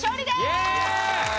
イエーイ！